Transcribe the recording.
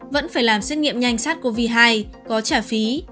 vẫn phải làm xét nghiệm nhanh sát covid hai có trả phí